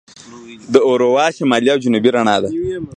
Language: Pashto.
د اورورا شمالي او جنوبي رڼا ده.